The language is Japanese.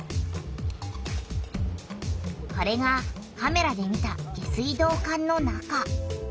これがカメラで見た下水道管の中。